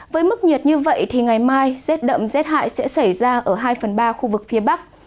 với mức nhiệt như vậy thì ngày mai rét đậm rét hại sẽ xảy ra ở hai phần ba khu vực phía bắc